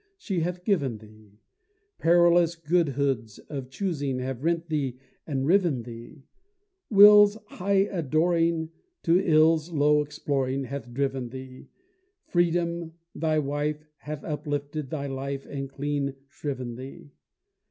she hath given thee; Perilous godhoods of choosing have rent thee and riven thee; Will's high adoring to Ill's low exploring hath driven thee Freedom, thy Wife, hath uplifted thy life and clean shriven thee!